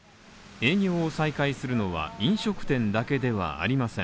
営業を再開するのは飲食店だけではありません。